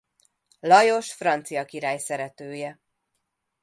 Lajos francia király szeretője.